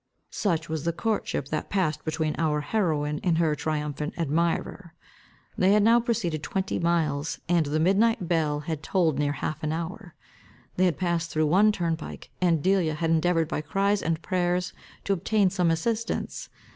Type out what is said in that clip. Such was the courtship that passed between our heroine and her triumphant admirer. They had new proceeded twenty miles, and the midnight bell had tolled near half an hour. They had passed through one turnpike, and Delia had endeavoured by cries and prayers to obtain some assistance.